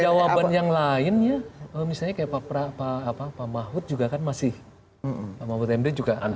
jawaban yang lainnya misalnya kayak pak mahwud juga kan masih pak mahwud md juga